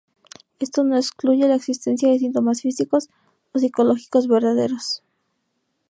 Esto no excluye la existencia de síntomas físicos o psicológicos verdaderos.